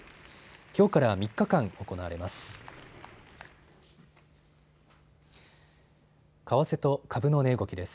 きょうから３日間行われます。